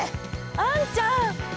あんちゃん！